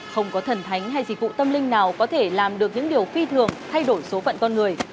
không có thần thánh hay dịch vụ tâm linh nào có thể làm được những điều phi thường thay đổi số phận con người